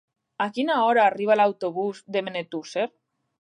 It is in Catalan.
A quina hora arriba l'autobús de Benetússer?